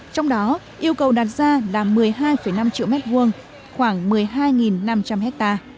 trong đó yêu cầu đặt ra là một mươi hai năm triệu m hai khoảng một mươi hai năm trăm linh ha